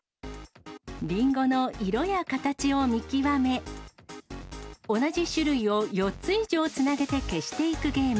りんごの色や形を見極め、同じ種類を４つ以上つなげて消していくゲーム。